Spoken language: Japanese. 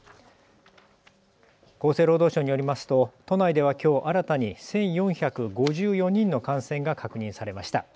厚生労働省によりますと都内ではきょう新たに１４５４人の感染が確認されました。